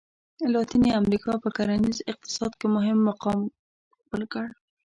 لاتیني امریکا په کرنیز اقتصاد کې مهم مقام خپل کړ.